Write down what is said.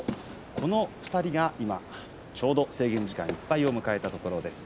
この２人が今ちょうど制限時間いっぱいを迎えたところです。